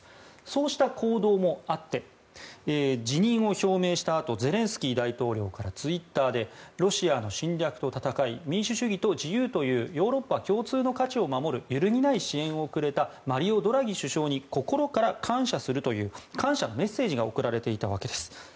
そうした行動もあって辞任を表明したあとゼレンスキー大統領からツイッターでロシアの侵略と戦い民主主義と自由というヨーロッパ共通の価値を守るゆるぎない支援をくれたマリオ・ドラギ首相に心から感謝するという感謝のメッセージが送られていたわけです。